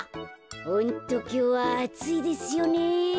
ホントきょうはあついですよね。